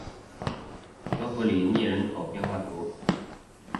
弗勒里涅人口变化图示